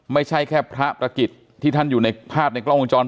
ไม่ใช่แค่พระประกิจที่ท่านอยู่ในภาพในกล้องวงจร